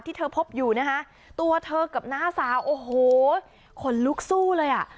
ที่เธอพบอยู่นะคะตัวเธอกับน้าสาวโอ้โหขนลุกสู้เลยอ่ะ